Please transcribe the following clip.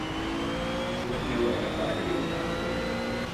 Soenen jo ek in foargerjocht hawwe wolle?